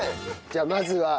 じゃあまずは。